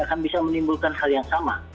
maka itu juga bisa menimbulkan hal yang sama